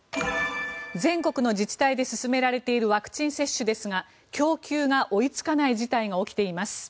全国の自治体で進められているワクチン接種ですが供給が追いつかない事態が起きています。